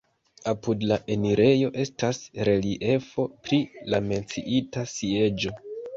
Apud la enirejo estas reliefo pri la menciita sieĝo.